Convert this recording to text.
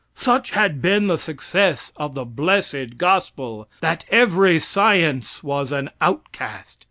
Such had been the success of the blessed gospel that every science was an outcast.